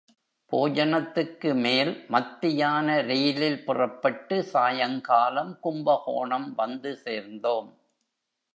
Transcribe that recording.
போஜனத்துக்குமேல் மத்தியான ரெயிலில் புறப்பட்டு சாயங்காலம் கும்பகோணம் வந்து சேர்ந்தோம்.